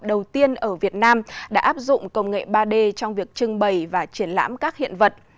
đầu tiên ở việt nam đã áp dụng công nghệ ba d trong việc trưng bày và triển lãm các hiện vật